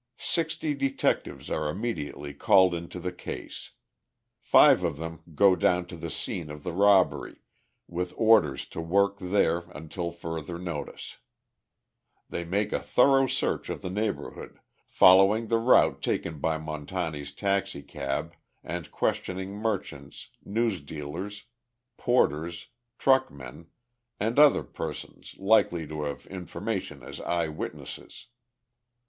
Sixty detectives are immediately called into the case. Five of them go down to the scene of the robbery, with orders to work there until further notice. They make a thorough search of the neighborhood, following the route taken by Montani's taxicab, and questioning merchants, newsdealers, porters, truckmen and other persons likely to have information as eye witnesses.